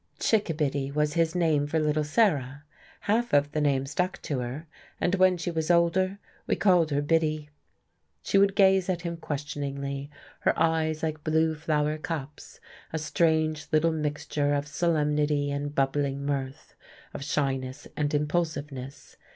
"Chickabiddy," was his name for little Sarah. Half of the name stuck to her, and when she was older we called her Biddy. She would gaze at him questioningly, her eyes like blue flower cups, a strange little mixture of solemnity and bubbling mirth, of shyness and impulsiveness.